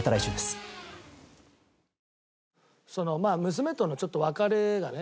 娘とのちょっと別れがね